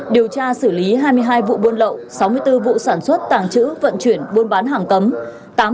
điều tra xử lý hai mươi hai vụ buôn lậu sáu mươi bốn vụ sản xuất tàng trữ vận chuyển buôn bán hàng cấm